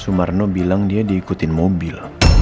sumarno bilang dia diikutin mobil